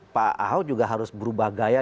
pak ahok juga harus berubah gaya